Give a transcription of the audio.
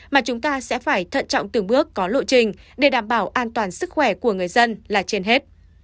mà chúng ta sẽ phải thận trọng từng bước có lộ trình để đảm bảo an toàn sức khỏe của người dân là trên hết